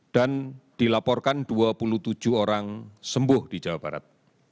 dan dilaporkan dua puluh tujuh orang sembuh di jawa barat